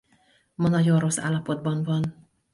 Ma nagyon rossz állapotban van.